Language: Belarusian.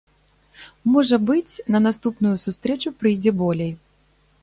Можа быць, на наступную сустрэчу прыйдзе болей.